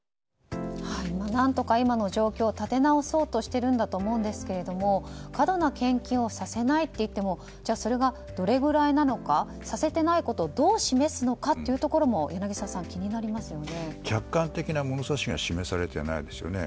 何とか今の状況を立て直そうとしてるんだと思うんですけども過度な献金をさせないといってもじゃあ、それがどれぐらいなのかさせてないことをどう示すのかも客観的な物差しが示されていないですよね。